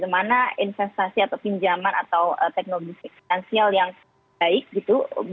mana investasi atau pinjaman atau teknologi finansial yang baik gitu